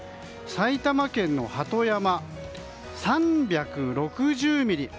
埼玉県の鳩山、３６０ミリ。